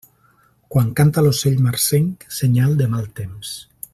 Quan canta l'ocell marcenc, senyal de mal temps.